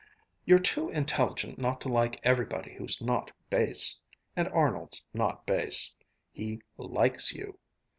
"You're too intelligent not to like everybody who's not base and Arnold's not base. And he 'likes' you.